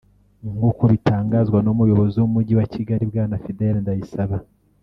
nk’uko bitangazwa n’umuyobozi w’umujyi wa Kigali bwana Fidele Ndayisaba